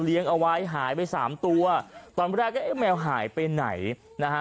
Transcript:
เลี้ยงเอาไว้หายไปสามตัวตอนแรกแมวหายไปไหนนะฮะ